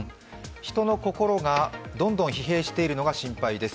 人の心がどんどん疲弊しているのが心配です。